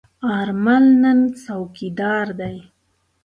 آرمل نن څوکیوال دی.